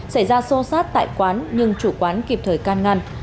xảy ra xô xát tại quán nhưng chủ quán kịp thời can ngăn